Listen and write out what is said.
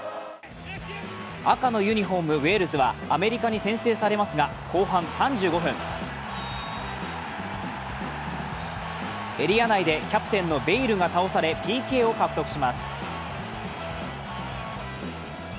赤のユニフォーム、ウェールズはアメリカの先制されますが、後半３５分エリア内でキャプテンのベイルが倒されＰＫを獲得します。